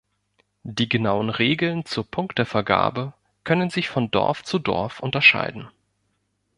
Die genauen Regeln zur Punktevergabe können sich von Dorf zu Dorf unterscheiden.